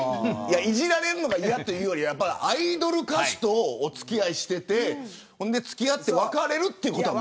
いじられるのが嫌というよりアイドル歌手とお付き合いしてて付き合って、別れるということが。